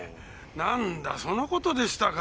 何だそのことでしたか。